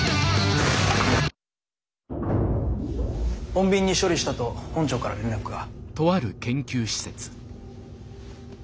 穏便に処理したと本庁から連絡が。